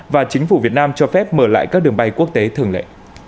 và chính phủ việt nam cho phép mở lại các đường bay quốc tế thường lệ